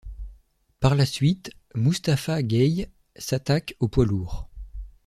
Par la suite, Moustapha Guèye s’attaque aux poids lourds.